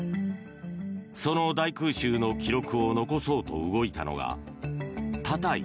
その大空襲の記録を残そうと動いたのが多田井